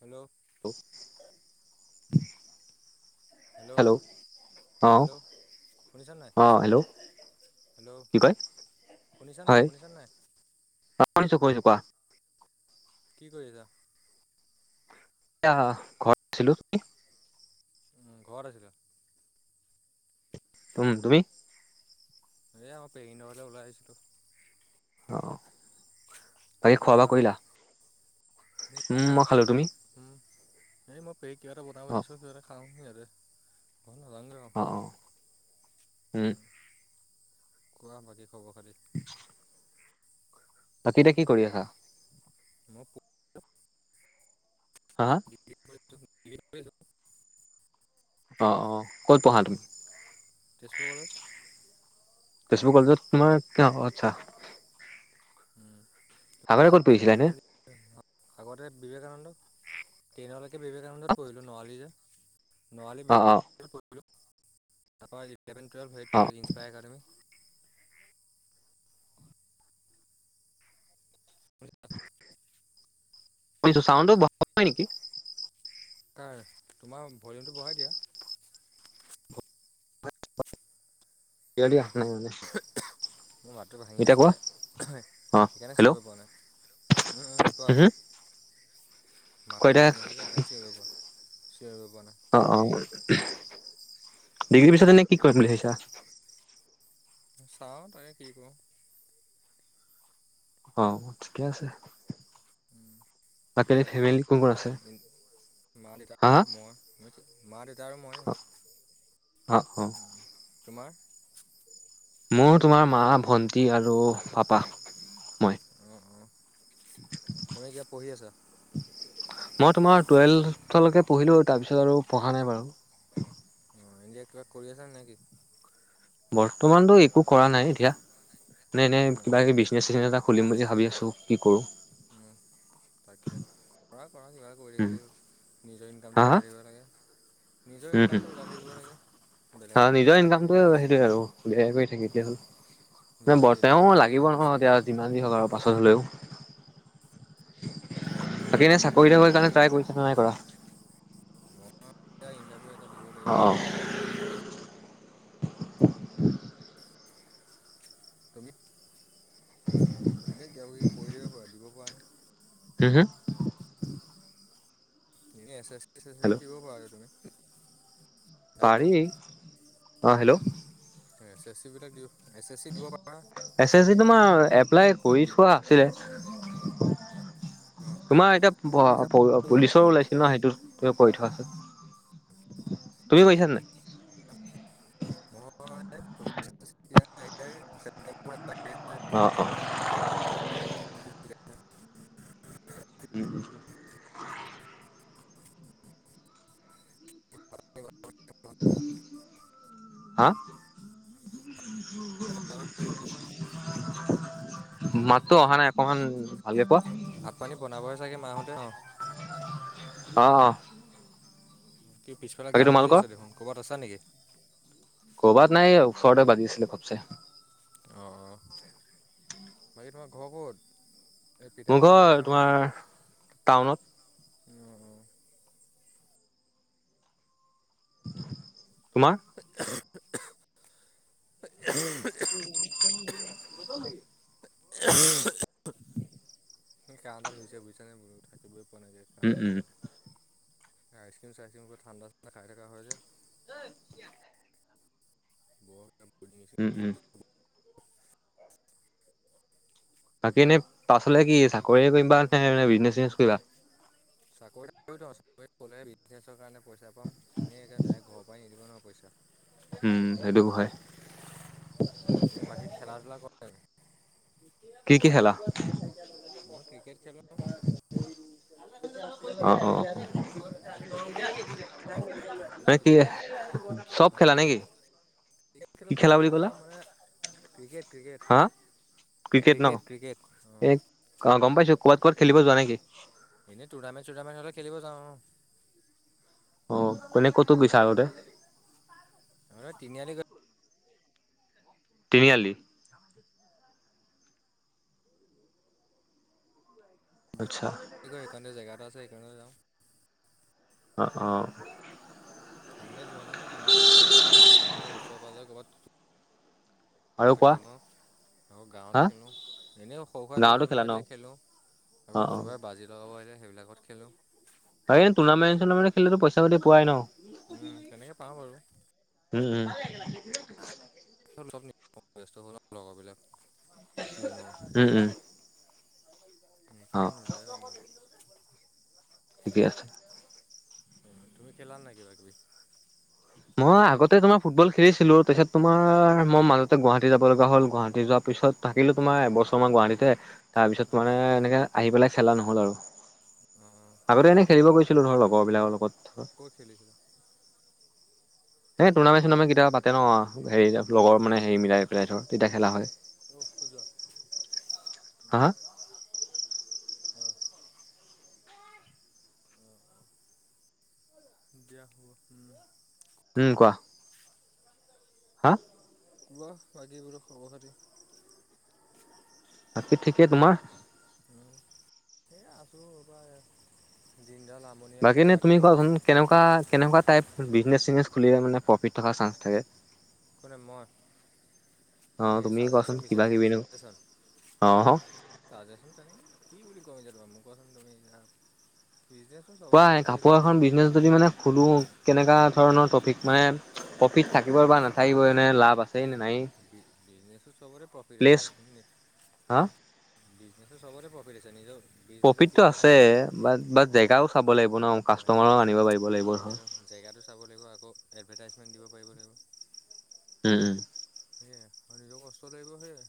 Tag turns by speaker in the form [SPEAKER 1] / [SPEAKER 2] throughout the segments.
[SPEAKER 1] Hello,
[SPEAKER 2] [unintelligible] hello অঁ
[SPEAKER 1] hello শুনিছা নাই
[SPEAKER 2] অঁ হেল্ল',
[SPEAKER 1] হেল্ল'
[SPEAKER 2] কি কয়
[SPEAKER 1] শুনিছা নাই শুনিছা নাই।
[SPEAKER 2] অ শুনিছো কৈছো কোৱা।
[SPEAKER 1] কি কৰি আছা?
[SPEAKER 2] এতিয়া ঘৰত আছিলো তুমি?
[SPEAKER 1] ঘৰত আছিলো।
[SPEAKER 2] উম তুমি।
[SPEAKER 1] এ আমাৰ পেহীহঁত ঘৰলে ওলাই আহিছিলো।
[SPEAKER 2] অ
[SPEAKER 1] চাহ
[SPEAKER 2] বাকি
[SPEAKER 1] তাহ
[SPEAKER 2] খোৱা বোৱা
[SPEAKER 1] খালা
[SPEAKER 2] কৰিলা? উম
[SPEAKER 1] নাই
[SPEAKER 2] মই খালো তুমি
[SPEAKER 1] উম এই মই পেহীক কিবা এটা বনাব
[SPEAKER 2] অ
[SPEAKER 1] দিছো কিবা এটা খাওঁ ইয়াতে। ঘৰলে নেজাঙগে আও
[SPEAKER 2] অ অ উম
[SPEAKER 1] কোৱা বাকী খবৰ খাতি।
[SPEAKER 2] বাকি এতিয়া কি কৰি আছা।
[SPEAKER 1] মই,
[SPEAKER 2] হা হা
[SPEAKER 1] [unintelligible]
[SPEAKER 2] অ অ ক'ত পঢ়া তুমি?
[SPEAKER 1] তেজপুৰ কলেজ।
[SPEAKER 2] তেজপুৰ কলেজত তোমাৰ অ আচ্ছা।
[SPEAKER 1] উম,
[SPEAKER 2] আগতে ক'ত পঢ়িছিলা
[SPEAKER 1] [unintelligible] ই
[SPEAKER 2] এনে
[SPEAKER 1] আগতে বিবেকানন্দ ট্ৰেইনলৈকে
[SPEAKER 2] অ
[SPEAKER 1] বিবেকানন্দত পঢ়িলো নোৱাৰালী যে নোৱাৰালী
[SPEAKER 2] অ
[SPEAKER 1] বিবেকা নন্ধত পঢ়িলোঁ তাপা ইলেভেন টুৱেল্ভ হেৰিত
[SPEAKER 2] অ
[SPEAKER 1] পঢ়িলোঁ ইনস্পায়াৰ একাডেমি। শুনিছা
[SPEAKER 2] শুনিছো চাউন্ডটো বঢ়াব পাই নেকি।
[SPEAKER 1] কাৰা তোমাৰ ভলিউমটো বঢ়াই দিয়া।
[SPEAKER 2] [unintelligible] দিয়া দিয়া।
[SPEAKER 1] [unintelligible] মোৰ মাতটো ভাঙি আছে যে
[SPEAKER 2] অ
[SPEAKER 1] সেইকাৰণে
[SPEAKER 2] হেল্ল'
[SPEAKER 1] চিঞৰিব পৰা নাই কোৱা।
[SPEAKER 2] হুম কোৱা
[SPEAKER 1] মাতটো ভাঙি
[SPEAKER 2] এতিয়া
[SPEAKER 1] আছে যে এইকাৰণে চিঞৰিব পৰা চিঞৰিব পৰা নাই।
[SPEAKER 2] অ অ ডিগ্ৰী পিছত এনে কি কৰিম বুলি ভাবিছা?
[SPEAKER 1] চাও তাকে কি কৰো।
[SPEAKER 2] অ ঠিকে আছে। বাকী
[SPEAKER 1] চাকৰি
[SPEAKER 2] ফেমিলি কোন
[SPEAKER 1] পালে
[SPEAKER 2] কোন আছে
[SPEAKER 1] [unintelligible] মা
[SPEAKER 2] হা
[SPEAKER 1] দেউতা মই মা দেউতা আৰু ময়ে।
[SPEAKER 2] হা অ অ
[SPEAKER 1] উম, তোমাৰ?
[SPEAKER 2] মোৰ তোমাৰ মা ভন্টি আৰু পাপা মই।
[SPEAKER 1] অঁ অঁ তুমি কিবা পঢ়ি আছা
[SPEAKER 2] মই তোমাৰ টুৱেলভলৈকে পঢ়িলো তাৰ পিছত আৰু পঢ়া নাই বাৰু।
[SPEAKER 1] অ, এতিয়া কিবা কৰি আছা নেকি?
[SPEAKER 2] বৰ্তমানতো একো কৰা নাই এতিয়া এনে এনে
[SPEAKER 1] অঁ
[SPEAKER 2] কিবা
[SPEAKER 1] অঁ
[SPEAKER 2] কিবি বিজনেচ নেজ এটা খুলিম বুলি ভাব আছো কি কৰো।
[SPEAKER 1] উম, তাকে কৰা - কৰা কিবা কৰি
[SPEAKER 2] উম
[SPEAKER 1] থাকিলে নিজৰ
[SPEAKER 2] হা
[SPEAKER 1] ইনকামটো
[SPEAKER 2] হা
[SPEAKER 1] ওলাই থাকিব লাগে। নিজৰ ইনকামটো ওলাই থাকিবহে লাগে।
[SPEAKER 2] অ,
[SPEAKER 1] বেলেগৰ কথা
[SPEAKER 2] নিজৰ
[SPEAKER 1] বাদ দিয়া
[SPEAKER 2] ইনকামটোৱে
[SPEAKER 1] নিজৰ
[SPEAKER 2] সেইটোৱে আৰু বোই কৰি থাকে এতিয়া হ'ল।
[SPEAKER 1] নিজৰ
[SPEAKER 2] নহব
[SPEAKER 1] ডেইলি
[SPEAKER 2] তেওঁ
[SPEAKER 1] খৰচটো ওলাই
[SPEAKER 2] লাগিব
[SPEAKER 1] থাকিব লাগে
[SPEAKER 2] নহয় এতিয়া যিমান য হওক আৰু পাছত হলেও।
[SPEAKER 1] দিব
[SPEAKER 2] বাকী
[SPEAKER 1] সেইটো
[SPEAKER 2] এনে চাকৰিত হ
[SPEAKER 1] ল'ৰা
[SPEAKER 2] কাৰণে
[SPEAKER 1] মানুহে
[SPEAKER 2] ট্ৰাই কৰিছ ন' নাই কৰা।
[SPEAKER 1] মই এ ইণ্টাৰভিউ এটা দিব
[SPEAKER 2] অ
[SPEAKER 1] লাগিব আহি আছে ন। তুমি এনে কিবা কিবি পঢ়ি থাকিব পাৰা দিব পৰা ন।
[SPEAKER 2] Home- home.
[SPEAKER 1] যেনেই এচ এচ চি
[SPEAKER 2] হেল্ল'
[SPEAKER 1] দিব পাৰা এতিয়া তুমি।
[SPEAKER 2] পাৰি
[SPEAKER 1] হেল্ল'
[SPEAKER 2] অ, হেল্ল',
[SPEAKER 1] হয় এচ এছ চি বিলাক দি
[SPEAKER 2] এছ এছ চি তোমাৰ এপ্লাই কৰি থোৱা আছে। তোমাৰ এতিয়া
[SPEAKER 1] এক্সাম
[SPEAKER 2] পুলিচৰ ওলাইছিল ন সেইটো তুমি কৰি থোৱাচোন, তুমি কৰিছা নাই।
[SPEAKER 1] মই পুলিচ [unintelligible]
[SPEAKER 2] অ', অ', উম- উম। হা? মাততো অহা নাই অকমান ভালকে কোৱা।
[SPEAKER 1] ভাত পানী বনাবই চাগে মাহোতে অ '
[SPEAKER 2] অ', অ',
[SPEAKER 1] কি পিছফালে
[SPEAKER 2] বাকী
[SPEAKER 1] গান বাজি
[SPEAKER 2] তোমালোকৰ
[SPEAKER 1] আছ দেখোন ক'ৰবাত আছা নেকি?
[SPEAKER 2] ক'ৰবাত নাই ওচৰতে বাজি আছিলে ঘপচে।
[SPEAKER 1] অ', বাকী তোমাৰ ঘৰ কত? এই পিঠা
[SPEAKER 2] মোৰ
[SPEAKER 1] প চাগে
[SPEAKER 2] ঘৰ
[SPEAKER 1] ন অ', অ',
[SPEAKER 2] তোমাৰ টাউনত
[SPEAKER 1] [unintelligible]
[SPEAKER 2] তোমাৰ?
[SPEAKER 1] এক অহ এক অহ। [unintelligible]
[SPEAKER 2] বতন নেকি।
[SPEAKER 1] [inaudible] হে কাঁহডাল হৈছে বুইছা নে, বোলো থাকিবই পোৱা নাই এ
[SPEAKER 2] উম
[SPEAKER 1] কাঁহডাল
[SPEAKER 2] উম
[SPEAKER 1] পৰা। এ আইচক্ৰীম চাইচক্ৰীম ঠাণ্ডা খাই থকা হয় যে।
[SPEAKER 2] [unintelligible]
[SPEAKER 1] [unintelligible]
[SPEAKER 2] উম- উম। বাকী এনেই পাছলে কি চাকৰি কৰিবা বিজনেচ চিজনেছ কৰিবা।
[SPEAKER 1] চাকৰি'লে বিজনেছৰ কাৰণে পইচা পাম এনেইে ডাইৰেক্ট ঘৰৰ পৰাই নিদ নোৱাৰ পইচা। [unintelligible] [inaudible]
[SPEAKER 2] উম, সেইটো হয়।
[SPEAKER 1] এ বাকী খেলা ধূলা কৰে।
[SPEAKER 2] কি- কি খালা?
[SPEAKER 1] মই ক্ৰিকেট খেলও।
[SPEAKER 2] অ' অ' অ' অ'।
[SPEAKER 1] উম।
[SPEAKER 2] মানে কি চব খেলা নেকি।
[SPEAKER 1] ক্ৰিকেট খেলো
[SPEAKER 2] কি খেলা বুলি
[SPEAKER 1] ফুটবল
[SPEAKER 2] ক'লা
[SPEAKER 1] খেলো মানে ক্ৰিকেট ক্ৰিকেট।
[SPEAKER 2] হা
[SPEAKER 1] ক্ৰিকেট ক্ৰিকেট অ'।
[SPEAKER 2] এ অ' গম পাইছো ক'বাত ক'বাত খেলিব যোৱা নেকি।
[SPEAKER 1] এনে টুৰামেণ চুণামেণ্ট হ'লে খেলিব যা অ'।
[SPEAKER 2] অ' কোনে ক'তো গৈছা আগতে।
[SPEAKER 1] তিনিআলি গৈ
[SPEAKER 2] তিনিআলি', আচ্ছা',
[SPEAKER 1] কি কয় সেইকাৰণে জেগা এটা আছে সেইকাৰণে যাওঁ',
[SPEAKER 2] অঁহ', - অঁ',
[SPEAKER 1] তেনেকে যোৱা নাই কতো ইমান দূৰ যাব পাৰে উচৰে পাজৰে
[SPEAKER 2] আৰু কোৱা
[SPEAKER 1] [unintelligible] ন। আকৌ গাঁৱত
[SPEAKER 2] হা
[SPEAKER 1] খেলোঁ এনেইও সৰু সুৰা
[SPEAKER 2] গাঁৱতো খেলা
[SPEAKER 1] টুৰ্ণামেণ্ট
[SPEAKER 2] ন
[SPEAKER 1] পাতিলে খেলোঁ
[SPEAKER 2] অ
[SPEAKER 1] আকৌ
[SPEAKER 2] অ
[SPEAKER 1] কোনোবাই বাজেট। দ হয় যে সেইবিলাকত খেলোঁ।
[SPEAKER 2] বাকি এই, টুৰ্ণামেণ্ট- চুৰ্ণামেণ্ট খলিলেটো পইচা পাটি পোৱাই ন',
[SPEAKER 1] উম', তেনেকে পাওঁ বাৰু',
[SPEAKER 2] উম', - উম', ভাল লাগে',
[SPEAKER 1] চব লগ নাপাওঁ, চব ব্যস্ত হয় ন লগৰবিলাক টিমৰ',
[SPEAKER 2] উম উম অ
[SPEAKER 1] সেইকাৰণে নোজোৱায় হলোঁ মই',
[SPEAKER 2] ঠিকেই আছে',
[SPEAKER 1] অঁহ', তুমি খেলা নে নাই কিবা কিবি?
[SPEAKER 2] মই আগতে তোমাৰ ফুটবল খেলিছিলোঁ তাৰপিছত তোমাৰ, মই মাজতে গুৱাহাটী যাব লগা হ'ল গুৱাহাটী যোৱাৰ পিছত', থাকিলোঁ তোমাৰ এবছৰমান গুৱাহাটীতে', তাৰপিছত মানে
[SPEAKER 1] অঁ
[SPEAKER 2] এনেকে আহি পেলাই খেলা নহ'ল আৰু,
[SPEAKER 1] অঁ
[SPEAKER 2] আগতে এনেই খেলিব গৈছোঁ', খেলিলোঁ ধৰ লগৰবিলাক লগত ধৰ',
[SPEAKER 1] ক'ত খেলিছিলা?
[SPEAKER 2] হে', টুৰ্ণামেণ্ট- চুৰ্ণামেণ্ট কেতিয়াবা পাতে ন অহ', হেৰি যে লগৰ মানে হেৰি মিলাই পেলাই ধৰ তেতিয়া খেলা হয়',
[SPEAKER 1] অহ', ক'ত যোৱা?
[SPEAKER 2] হা হা
[SPEAKER 1] উম', অহ', অহ', - অহ', দিয়া হ'ব, উম খোৱা গে',
[SPEAKER 2] হাঁ',
[SPEAKER 1] কোৱা বাকীবিলাক খবৰ খাতি?
[SPEAKER 2] বাকী ঠিকেই তোমাৰ?
[SPEAKER 1] উম', এ', আছোঁ ৰবা! দিনডাল আমনিয়ে লাগে ৰাতিপুৱা',
[SPEAKER 2] কেনেকুৱা-কেনেকুৱা টাইপ বিজনেছ- চিজনেছ খুলিলে মানে প্ৰফিট থকা চান্স থাকে?
[SPEAKER 1] কোনে মই,
[SPEAKER 2] অ
[SPEAKER 1] এনে
[SPEAKER 2] তুমি কোৱাচোন
[SPEAKER 1] চাজেশ্যন
[SPEAKER 2] কিবা
[SPEAKER 1] বিচাৰিছা
[SPEAKER 2] কিবি নো
[SPEAKER 1] চাজেশ্যন?
[SPEAKER 2] অ
[SPEAKER 1] চাজেশ্যন তেনেকে, কি বুলি কয় এতিয়া তোমাক মই কোচোন তুমি এতিয়া বিজনেচ',
[SPEAKER 2] প্ৰায় কাপোৰৰ এখন বিজনেচ যদি মানে খুলোঁ? কেনেকা ধৰণৰ টপিক মানে প্ৰফ্টিট থাকিব বা নাথাকিব, এনে লাভ আছেই নে নায়েই',
[SPEAKER 1] বি', - বিজনেছো চবতে প্ৰফ্টিট আছে কিন্তু নি',
[SPEAKER 2] হা
[SPEAKER 1] বিজনেছত চবৰে প্ৰফ্টিট আছে নিজৰ', বিজনেছৰ
[SPEAKER 2] প্ৰফ্টিটত
[SPEAKER 1] তিনিটাই
[SPEAKER 2] আছে,
[SPEAKER 1] কাম
[SPEAKER 2] বাট্-বাট্ জেগাও চাব লাগিব ন,
[SPEAKER 1] মানে
[SPEAKER 2] কাষ্টমাৰো আনিব পাৰিব লাগিব নহয়',
[SPEAKER 1] সেইটোতো জেগাটো চাব লাগিব আকৌ এডভেৰ্টাইজমেণ্ট দিব পাৰিব লাগিব',
[SPEAKER 2] উম', - উম',
[SPEAKER 1] সেয়ে আৰু শৰীৰৰ কষ্ট লাগিব সেয়া',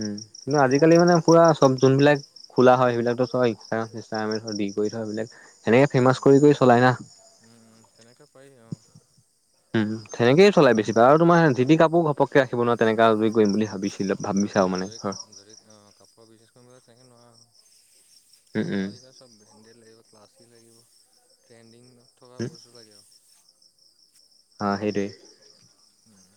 [SPEAKER 2] উম', কিন্তু আজিকালি
[SPEAKER 1] হ'লে
[SPEAKER 2] মানে পুৰা চব যোনবিলাক', খোলা হয় সেইবিলাক ত', চব ইনষ্টাগৰাম চিনষ্টাগৰামত ধৰ চব ডিল কৰি থৈ বোলে, সেনেকে ফেমাচ কৰি-কৰি চলাই না',
[SPEAKER 1] উম', - উম', তেনেকে পাৰি অ',
[SPEAKER 2] উম', তেনেকে চলাই বেছি ভাগ আৰু তোমাৰ যি তি
[SPEAKER 1] অঁ
[SPEAKER 2] কাপোৰ ঘপককে ৰাখিব নোৱাৰে তেনেকা, যদি কৰিম বুলি ভাবিছ',
[SPEAKER 1] অহ', -অহ', যদি কা', - যদি কা', -অ', কাপোৰৰ বিজনেছ কৰিম ক'লে তেনেকে নোৱাৰা অ',
[SPEAKER 2] উম, উম,
[SPEAKER 1] কাপোৰৰ দিশত', চব ব্ৰেণ্ডেড লাগিব, ক্লাছি লাগিব, ট্ৰেণ্ডিং অ', থকা বস্তু লাগিব আকৌ',
[SPEAKER 2] অহ', সেইটোৱেই',
[SPEAKER 1] উম',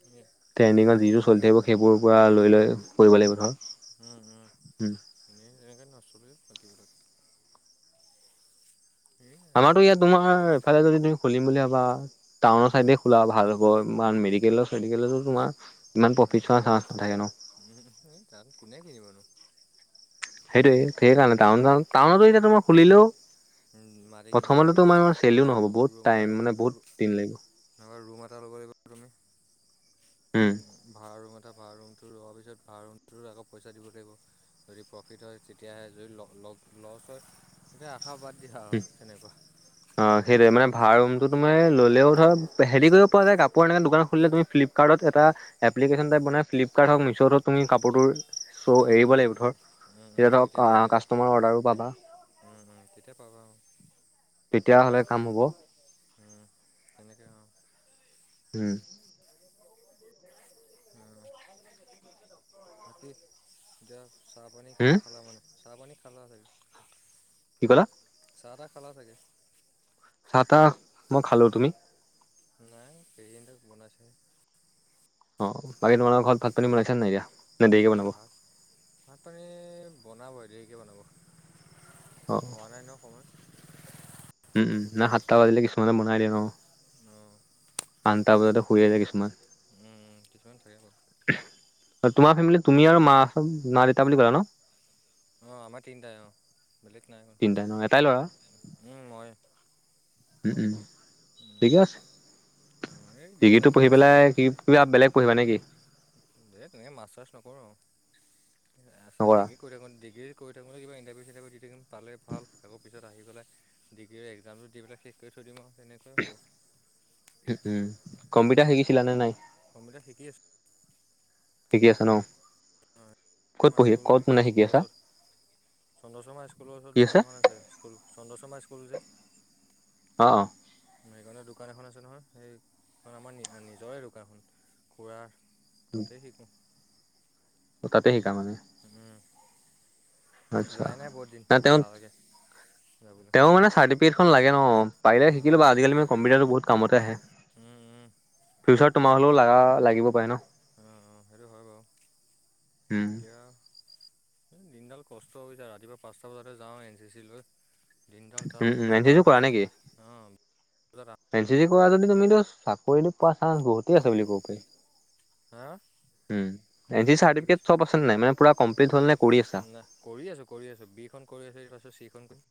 [SPEAKER 1] সেয়ে',
[SPEAKER 2] ট্ৰেণ্ডিঙক যিজোৰ চলি থাকিব সেইবোৰৰ পৰা লৈ লৈ', কৰিব লাগিব
[SPEAKER 1] উম',
[SPEAKER 2] ধৰ।
[SPEAKER 1] উম', - উম', এনেই এনেকে নচলেও বাকী বিলাক', সেয়াই আৰু অ',
[SPEAKER 2] আমাৰতো ইয়াত তোমাৰ এফালে যদি তুমি খুলিম বুলি ভাবা, টাউনৰ
[SPEAKER 1] অ',
[SPEAKER 2] চাইডে খোলা ভাল বৰ মান মেডিকেলত - চেডিকেলতো তোমাৰ ইমান প্ৰফিট চোৱা চান্স নাথাকে ন।
[SPEAKER 1] উম উম, তাত কোনে কিনিবনো?
[SPEAKER 2] সেইটোৱে সেইকাৰণে
[SPEAKER 1] উম,
[SPEAKER 2] টাউন -চাউন, টাউনতো
[SPEAKER 1] উম,
[SPEAKER 2] এতিয়া তোমাৰ খুলিলেও',
[SPEAKER 1] উম', মাটি কিনিব
[SPEAKER 2] প্ৰথমতে
[SPEAKER 1] লাগে,
[SPEAKER 2] তোমাৰ ইমান চেলো
[SPEAKER 1] তোমাৰ
[SPEAKER 2] নহ'ব
[SPEAKER 1] ৰুম -
[SPEAKER 2] বহুত
[SPEAKER 1] ৰুম এটা
[SPEAKER 2] টাইম
[SPEAKER 1] ল'ব
[SPEAKER 2] মানে বহুত
[SPEAKER 1] ৰু',
[SPEAKER 2] দিন লাগিব।
[SPEAKER 1] তেনেকুৱা ৰুমও এটা ল'ব লাগিব', তুমি উম, ভাড়া ৰুম এটা ভাড়া ৰুমটো লোৱাৰ পিছত ভাড়া ৰুমটো আকৌ পইচা দিব লাগিব। যদি প্ৰফিট হয় তেতিয়াহে যদি ল ল লছ হয় এতিয়া আশা বাদ দিয়া আৰু তেনেকুৱা
[SPEAKER 2] অ সেইটোৱে
[SPEAKER 1] সেয়াই
[SPEAKER 2] মানে
[SPEAKER 1] আৰু।
[SPEAKER 2] ভাড়া ৰুমটো তোমাৰ ল'লেও ধৰা হেৰি কৰিব পৰা যায়, কাপোৰ এনেকৈ দোকান খুলিলে তুমি ফ্লিপকাৰ্টত এটা এপ্লিকেশ্যন টাইপ বনাই ফ্লিপকাৰ্ট হওক, মিছ'ত হওক তুমি কাপোৰটোৰ চ'
[SPEAKER 1] উম,
[SPEAKER 2] এৰিব
[SPEAKER 1] উম,
[SPEAKER 2] লাগিব
[SPEAKER 1] উম,
[SPEAKER 2] ধৰ,
[SPEAKER 1] উম,
[SPEAKER 2] তেতিয়া
[SPEAKER 1] উম,
[SPEAKER 2] ধৰক
[SPEAKER 1] পাৰি আৰু
[SPEAKER 2] কাষ্টমাৰ অৰ্ডাৰো পাবা।
[SPEAKER 1] উম উম তেতিয়া পাবা আৰু।
[SPEAKER 2] তেতিয়া হ'লে কাম হ'ব।
[SPEAKER 1] উম তেনেকৈ আৰু।
[SPEAKER 2] উম।
[SPEAKER 1] অঁ। বাকী এতিয়া চাহপানী কি
[SPEAKER 2] হুম
[SPEAKER 1] খালা মানে, চাহপানী খালা চাগে?
[SPEAKER 2] কি ক'লা?
[SPEAKER 1] চাহ তাহ খালা চাগে?
[SPEAKER 2] চাহ তাহ মই খালো, তুমি?
[SPEAKER 1] নাই কেইদিনতে বনাইছে।
[SPEAKER 2] অ, বাকী তোমালোকৰ ঘৰত ভাত-পানী বনাইছে নাই এতিয়া? নে দেৰিকে বনাব
[SPEAKER 1] ভাত, ভাত-পানী বনাব দেৰিকৈ বনাব।
[SPEAKER 2] অ
[SPEAKER 1] হোৱা নাই ন সময়।
[SPEAKER 2] উম উম, না সাতটা বাজিলে কিছুমানে বনাই দিয়ে ন?
[SPEAKER 1] অঁ।
[SPEAKER 2] আনটা বজাতে শুই জায় কিছুমান।
[SPEAKER 1] উম কিছুমান থাকে বাৰু।
[SPEAKER 2] তোমাৰ ফেমিলি তুমি আৰু মা মা-দেউতা বুলি কলা ন?
[SPEAKER 1] অ আমাৰ তিনিটাই অ, বেলেগ নাই
[SPEAKER 2] তিনিটাই ন এটাই ল'ৰা
[SPEAKER 1] উম মইএ।
[SPEAKER 2] উম উম, ঠিকে আছে,
[SPEAKER 1] এই
[SPEAKER 2] ডিগ্ৰীটো
[SPEAKER 1] দিনডাল
[SPEAKER 2] পঢ়ি পেলাই কি কিবা বেলেগ পঢ়িবা নেকি?
[SPEAKER 1] দেই তেনে মাষ্টাৰ্চ নকৰো আৰু আছে
[SPEAKER 2] নকৰা?
[SPEAKER 1] ডিগ্ৰী কৰি থাকোঁ ডিগ্ৰী কৰি থাকোঁতে কিবা ইণ্টাৰভিউ চিনটাৰভিউ দি থাকিম, পালেই ভাল। আকৌ পিছত আহি পেলাই ডিগ্ৰী এক্সামটো দি পেলাই শেষ কৰি থৈ দিম আৰু তেনেকোৱাই হ'ব।
[SPEAKER 2] উম উম, কম্পিউটাৰ শিকিছিলা নে নাই?
[SPEAKER 1] কম্পিউটাৰ শিকি আছো।
[SPEAKER 2] শিকি আছে ন?
[SPEAKER 1] অঁ
[SPEAKER 2] ক'ত পঢ়ি
[SPEAKER 1] স্কুল
[SPEAKER 2] ক'ত
[SPEAKER 1] বুলি
[SPEAKER 2] মানে
[SPEAKER 1] কয়,
[SPEAKER 2] শিকি
[SPEAKER 1] স্কুলৰ
[SPEAKER 2] আছা?
[SPEAKER 1] ওচৰত চন্দ্ৰশৰ্মা স্কুলৰ ওচৰত দোকান এখন আছে। স্কুল চন্দ্ৰশৰ্মা স্কুল যে?
[SPEAKER 2] অঁ।
[SPEAKER 1] মেঘালয় দোকান এখন আছে নহয়, সেইখন আমাৰ নি নিজৰে দোকানখন। খোৰা, তাতেই শিকোঁ।
[SPEAKER 2] তাতে সিকা মানে?
[SPEAKER 1] উম,
[SPEAKER 2] আচ্ছা।
[SPEAKER 1] যোৱাই নাই বহুত দিন এলাহ লাগে যাবলৈ।
[SPEAKER 2] অ মানে চাৰ্টিফিকেট লাগে ন, পাৰিলে
[SPEAKER 1] অঁ
[SPEAKER 2] শিকিলবা, আজিকালি মানে কম্পিটাৰটো বহুত কামতে আহে।
[SPEAKER 1] উম, উম।
[SPEAKER 2] ফিউচাৰ তোমাৰ হ'লেও লাগা লাগিব পাৰে ন।
[SPEAKER 1] অঁ অঁ সেইটো হয় বাৰু।
[SPEAKER 2] উম,
[SPEAKER 1] এতিয়া এই দিনডাল কষ্ট হৈ যায় ৰাতিপুৱা পাঁচটা বজাতে যাওঁ এন চি চি লৈ। দিনডাল তাত
[SPEAKER 2] উম, উম,
[SPEAKER 1] থাকি
[SPEAKER 2] এন চি চি
[SPEAKER 1] বাৰে
[SPEAKER 2] কৰা নেকি?
[SPEAKER 1] অঁ,
[SPEAKER 2] এন চি জি কৰা যদি তুমিতটো চাকৰি পোৱা চান্স বহুত। সিকি আছোবুলি কব
[SPEAKER 1] হা
[SPEAKER 2] পাৰি। উম
[SPEAKER 1] কি কৈছে
[SPEAKER 2] চাৰ্টিফিকেট আছে নাই মানে পূৰা কম্লিট হ'লনে কৰি আছা?
[SPEAKER 1] না কৰি আছোঁ, কৰি আছোঁ, বিখন কৰি আছো তাৰপিছত চিখন কৰি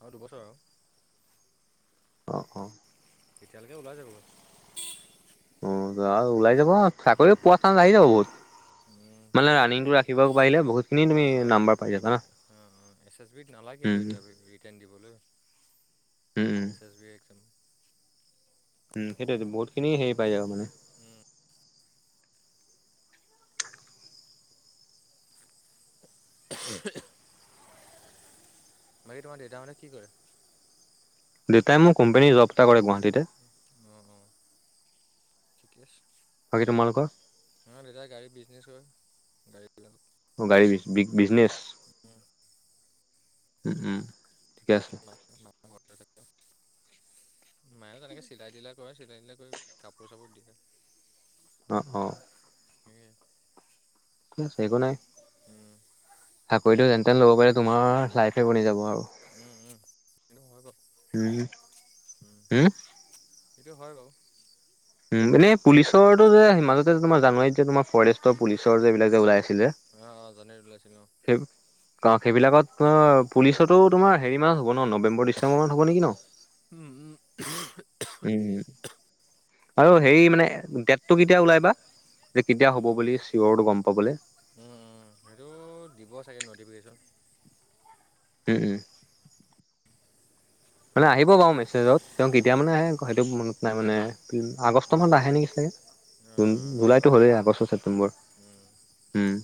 [SPEAKER 1] অঁও দুবছৰ আৰু। [inaudible]
[SPEAKER 2] অঁ অঁ,
[SPEAKER 1] এতিয়ালৈকে ওলাই যাব।
[SPEAKER 2] অঁ আৰু ওলাই যাব চাকৰি পোৱা চান আহি যাব বহুত।
[SPEAKER 1] উম
[SPEAKER 2] মানে
[SPEAKER 1] কিন্ত এতিয়া।
[SPEAKER 2] ৰানিংটো ৰাখিব পাৰিলে বহুতখিনি তুমি
[SPEAKER 1] অঁ অঁ
[SPEAKER 2] নাম্বাৰ পাই যাবা না
[SPEAKER 1] এছ এছ বি ত নালাগে
[SPEAKER 2] উম
[SPEAKER 1] ইটাৰভিউ ৰিটেণ দিবলৈ।
[SPEAKER 2] উম,
[SPEAKER 1] এছ বি একজাম।
[SPEAKER 2] উম সেইটোয়ে বহুত খিনি হেৰি পাই যাব আৰু মানে।
[SPEAKER 1] উম, বাকি তোমাৰ দেউতা সতে কি কৰে।
[SPEAKER 2] দেউতাই মোক কোম্পানীৰ জব এটা কৰে গুৱাহাটীতে।
[SPEAKER 1] অঁ অঁ ঠিকে আছে।
[SPEAKER 2] বাকী তোমালোকৰ।
[SPEAKER 1] অঁ দেউতা গাড়ী বিজনেছ হয় গাড়ী,
[SPEAKER 2] অঁ গাড়ী বি বিজনেছ উম উম ঠিকে আছে।
[SPEAKER 1] [unintelligible] মায়ে তেনেকে চিলাই তিলাই কৰে চিলাই তিলাই কৰি কাপোৰ চাপোৰ দিয়ে।
[SPEAKER 2] অঁ অঁ,
[SPEAKER 1] সেই,
[SPEAKER 2] একো নাই চাকৰিটো যেন তেন ল'ব পাৰি তোমাৰ লাইফে বনি যাব আৰু
[SPEAKER 1] উম উম সেইটো হয় বাও।
[SPEAKER 2] উম হম।
[SPEAKER 1] সেইটোৱে হয় বাৰু
[SPEAKER 2] উম এনে পুলিচৰটো যে মাজতে যে তোমাৰ জানুৱাৰীত যে তোমাৰ ফৰেষ্টৰ পুলিচৰ যেবিলাক যে ওলাই আছে।
[SPEAKER 1] অঁ অঁ জানুৱাৰীত ওলাইছিল অ,
[SPEAKER 2] [unintelligible] সেইবিলাকত পুলিচতো তোমাৰ হেৰি মান হ'ব ন নৱেম্বৰ, ডিচেম্বৰ মান হ'ব নেকি ন।
[SPEAKER 1] উম উম,
[SPEAKER 2] উম হু, আৰু হেৰি মানে ডেটটো কেতিয়া ওলাই বা যে কেতিয়া হ'ব বুলি চিয়ৰটো গম পাবলে।
[SPEAKER 1] উম উম সেইটো। দিব চাগে নটিফিকেশ্যন।
[SPEAKER 2] উম উম,
[SPEAKER 1] [unintelligible]
[SPEAKER 2] মানে আহিব বাৰু মেছেজত তেওঁ কেতিয়া মানে আহে সেইটো মনত নাই মানে আগষ্ট
[SPEAKER 1] অঁ
[SPEAKER 2] মাহত আহে নেকি চাগে।
[SPEAKER 1] [unintelligible]
[SPEAKER 2] জুন
[SPEAKER 1] আগষ্ট
[SPEAKER 2] জুলাইতো
[SPEAKER 1] মাহত
[SPEAKER 2] গ'লেই
[SPEAKER 1] আহিব
[SPEAKER 2] আগষ্ট ছেপ্তেম্বৰ
[SPEAKER 1] উম।
[SPEAKER 2] উম,